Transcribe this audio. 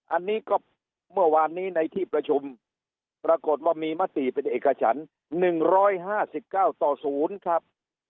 อันนี้ก็เมื่อวานนี้ในที่ประชุมปรากฏว่ามีมติเป็นเอกฉัน๑๕๙ต่อ๐ครับ